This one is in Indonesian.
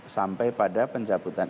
sampai pada penjabutan